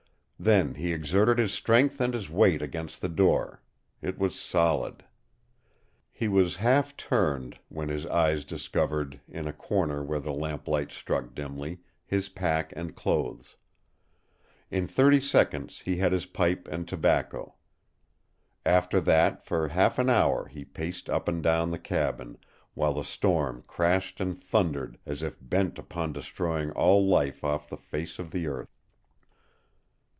Then he exerted his strength and his weight against the door. It was solid. He was half turned when his eyes discovered, in a corner where the lamplight struck dimly, his pack and clothes. In thirty seconds he had his pipe and tobacco. After that for half an hour he paced up and down the cabin, while the storm crashed and thundered as if bent upon destroying all life off the face of the earth.